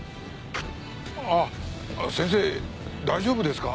あっ先生大丈夫ですか？